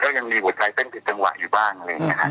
ก็ยังมีหัวใจเต้นผิดจังหวะอยู่บ้าง